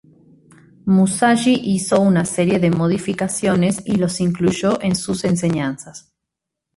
Musashi hizo una serie de modificaciones y los incluyó en sus enseñanzas.